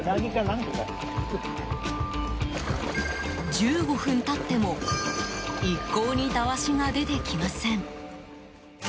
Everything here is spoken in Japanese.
１５分経っても一向にたわしが出てきません。